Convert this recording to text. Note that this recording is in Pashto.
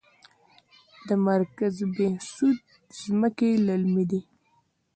د مرکز بهسود ځمکې للمي دي